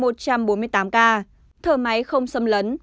thở máy không sâm lấn